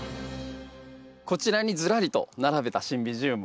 こちらにずらりと並べたシンビジウム。